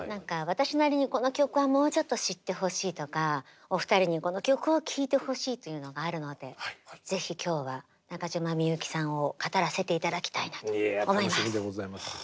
私なりにこの曲はもうちょっと知ってほしいとかお二人にこの曲を聴いてほしいというのがあるのでぜひ今日は中島みゆきさんを語らせて頂きたいなと思います。